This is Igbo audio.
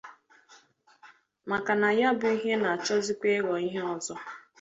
maka na ya bụ ihe na-achọzịkwa ịghọ ihe ọzọ